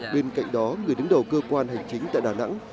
bên cạnh đó người đứng đầu cơ quan hành chính tại đà nẵng